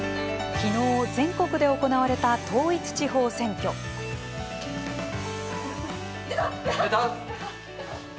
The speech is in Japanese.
昨日、全国で行われた統一地方選挙。でた？